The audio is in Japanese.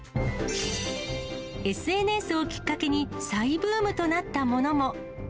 ＳＮＳをきっかけに、再ブームとなったものも。